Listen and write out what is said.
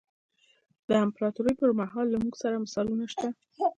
د امپراتورۍ پرمهال له موږ سره مثالونه شته.